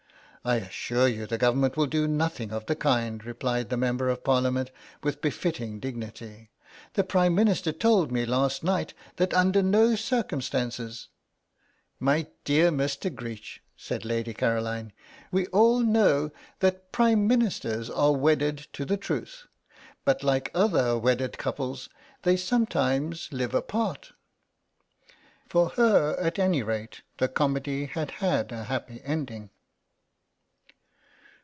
"I assure you the Government will do nothing of the kind," replied the Member of Parliament with befitting dignity; "the Prime Minister told me last night that under no circumstances—" "My dear Mr. Greech," said Lady Caroline, "we all know that Prime Ministers are wedded to the truth, but like other wedded couples they sometimes live apart." For her, at any rate, the comedy had had a happy ending.